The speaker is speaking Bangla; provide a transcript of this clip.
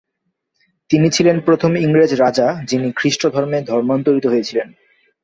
তিনি ছিলেন প্রথম ইংরেজ রাজা যিনি খ্রিস্টধর্মে ধর্মান্তরিত হয়েছিলেন।